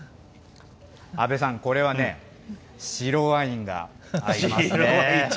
阿部さん、これはね、白ワインが合いますね。